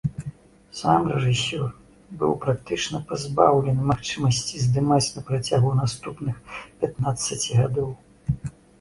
Сам рэжысёр быў практычна пазбаўлены магчымасці здымаць на працягу наступных пятнаццаці гадоў.